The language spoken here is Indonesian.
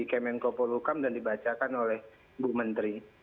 kemengkopo lukam dan dibacakan oleh bu menteri